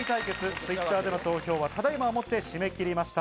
Ｔｗｉｔｔｅｒでの投票は、ただいまをもって締め切りました。